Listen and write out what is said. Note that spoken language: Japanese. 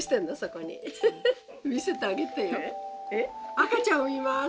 赤ちゃん産みます。